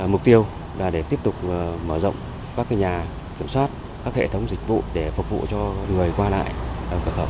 mục tiêu là để tiếp tục mở rộng các nhà kiểm soát các hệ thống dịch vụ để phục vụ cho người qua lại cửa khẩu